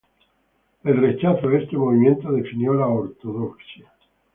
El rechazo a este movimiento definió la ortodoxia.